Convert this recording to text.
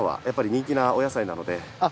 やっぱり人気なお野菜なので。